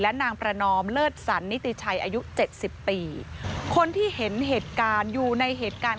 นางประนอมเลิศสันนิติชัยอายุเจ็ดสิบปีคนที่เห็นเหตุการณ์อยู่ในเหตุการณ์